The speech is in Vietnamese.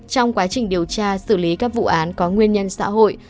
trong quá trình điều tra xử lý các vụ án có nguyên nhân xã hội